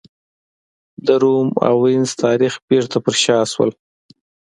د روم او وینز تاریخ بېرته پر شا شول.